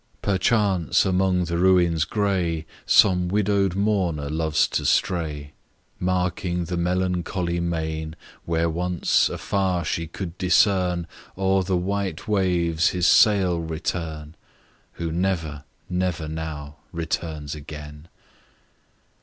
Perchance among the ruins grey Some widow'd mourner loves to stray, Marking the melancholy main Where once, afar she could discern O'er the white waves his sail return Who never, never now, returns again!